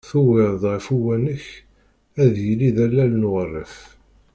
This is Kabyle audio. tuwi-d ɣef uwanek ad yili d allal n uɣref.